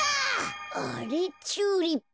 あれっチューリップ。